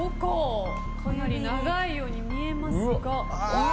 かなり長いように見えますが。